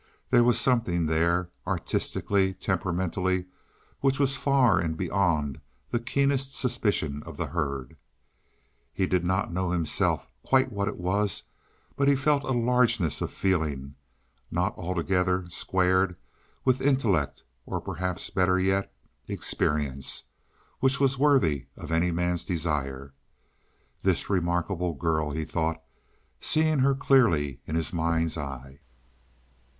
There was something there—artistically, temperamentally, which was far and beyond the keenest suspicion of the herd. He did not know himself quite what it was, but he felt a largeness of feeling not altogether squared with intellect, or perhaps better yet, experience, which was worthy of any man's desire. "This remarkable girl," he thought, seeing her clearly in his mind's eye.